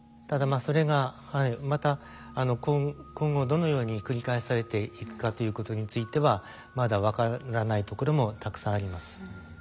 ただまあそれがまた今後どのように繰り返されていくかということについてはまだ分からないところもたくさんあります。